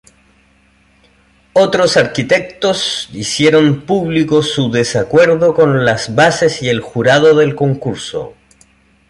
Otros arquitectos hicieron público su desacuerdo con las bases y el jurado del concurso.